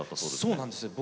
そうなんです。